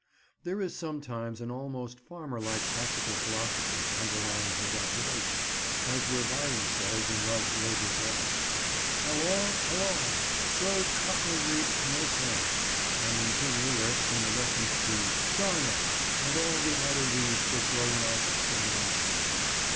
There is sometimes an almost farmer like practical philosophy underlying his observation, as where Biron says, in Love's Labour's Lost: "Allons allons! sow'd cockle reap'd no corn"; and in King Lear, in the reference to— "Darnel, and all the idle weeds that grow In our sustaining corn."